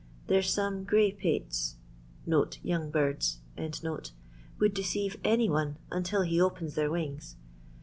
There's some gray pates (yoimg birds) would deceive any one until he opens their wings.